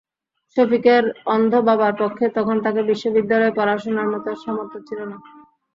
শফিকের অন্ধ বাবার পক্ষে তখন তাকে বিশ্ববিদ্যালয়ে পড়ানোর মতো সামর্থ্য ছিল না।